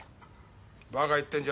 バカ言ってんじゃないぞ。